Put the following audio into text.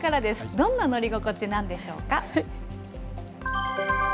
どんな乗り心地なんでしょうか。